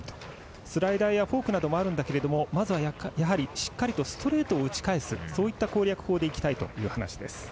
スライダーやフォークなどもあるんだけれども、まずはしっかりとストレートを打ち返すという攻略法でいきたいという話です。